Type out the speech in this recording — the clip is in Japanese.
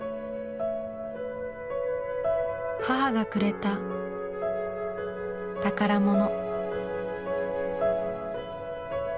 母がくれた宝物。